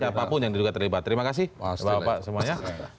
siapapun yang diduga terlibat terima kasih bapak bapak semuanya